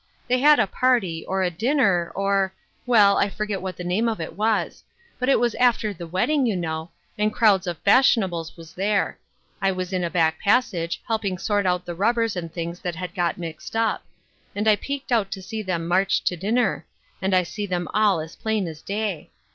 They had a party, or a dinner, or — well, I forget what the name of it was ; but it was after the wedding, you know, and crowds of fashionables was there. I was in a back passage, helping sort out the rubbers and things that had got mixed up ; and I peeked out to see them march to dinner; and I sef* them all as plain as day.